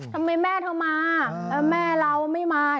ทำไมแม่เธอมาแม่เราไม่มา